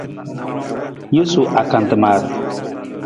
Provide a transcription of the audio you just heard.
Jesu akantamar.